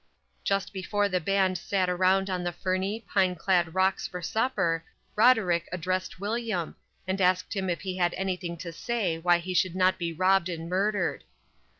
Just before the band sat around on the ferny, pine clad rocks for supper, Roderick addressed William, and asked him if he had anything to say why he should not be robbed and murdered.